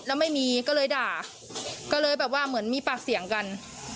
แล้วไม่มีก็เลยด่าก็เลยแบบว่าเหมือนมีปากเสียงกัน